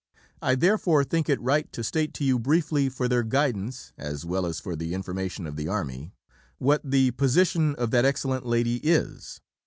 I therefore think it right to state to you briefly for their guidance, as well as for the information of the Army, what the position of that excellent lady is.